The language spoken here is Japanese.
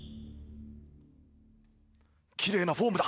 きれいなフォームだ。